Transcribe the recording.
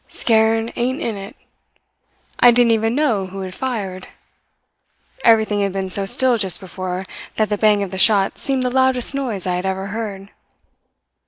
Scared ain't in it! I didn't even know who had fired. Everything had been so still just before that the bang of the shot seemed the loudest noise I had ever heard.